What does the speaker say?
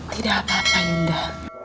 tidak apa apa yunda